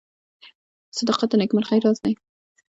• صداقت د نیکمرغۍ راز دی.